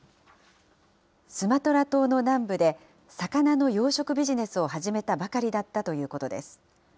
スマトラ島の南部で、魚の養殖ビジネスを始めたばかりだったということです。